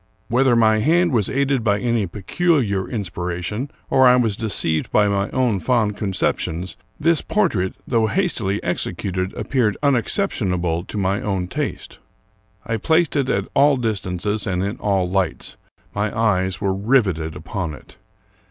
Whether my hand was aided by any peculiar in spiration, or I was deceived by my own fond conceptions, this portrait, though hastily executed, appeared unexcep tionable to my own taste. I placed it at all distances and in all lights; my eyes were riveted upon it.